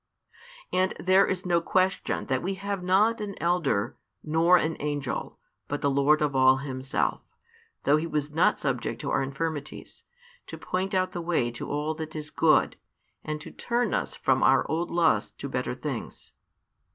And there is no question that we have not an elder, nor an angel, but the Lord of all Himself, though He was not subject to our infirmities, to point out the way to all that is good, and to turn us from our old lusts to better things.